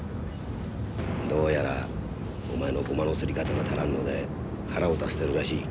どうやらお前のごまのすり方が足らんので腹を立ててるらしい。